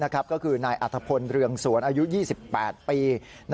ก็คือนายอัธพลเรืองสวนอายุ๒๘ปี